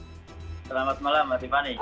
selamat malam mbak tiffany